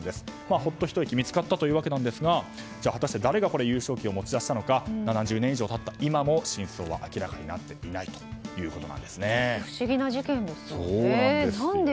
ほっとひと息見つかったわけなんですが誰が優勝旗を持ち出したのか７０年以上経った今も真相は明らかになっていない不思議な事件ですね。